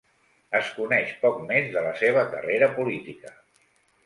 Es coneix poc més de la seva carrera política.